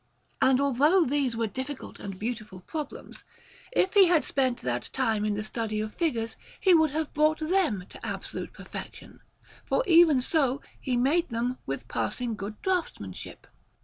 And although these were difficult and beautiful problems, if he had spent that time in the study of figures, he would have brought them to absolute perfection; for even so he made them with passing good draughtsmanship.